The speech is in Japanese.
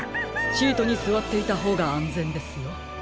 シートにすわっていたほうがあんぜんですよ。